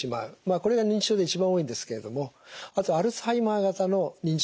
これが認知症で一番多いんですけれどもあとアルツハイマー型の認知症もございます。